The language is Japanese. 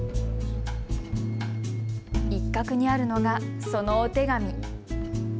一角にあるのがそのお手紙。